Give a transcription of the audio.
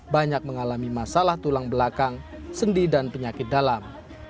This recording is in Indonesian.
banyak mengalami masalah tulang belakang sendi dan penyakit dalam